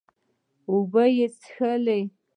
اوبۀ مې وڅښلې